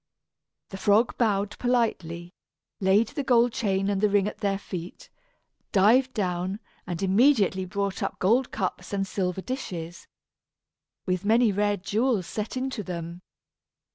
The frog bowed politely, laid the gold chain and the ring at their feet, dived down, and immediately brought up gold cups and silver dishes, with many rare jewels set into them.